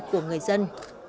của người dân